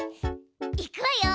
いくわよ！